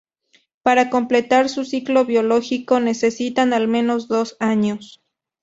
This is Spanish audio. Para completar su ciclo biológico necesitan al menos dos años.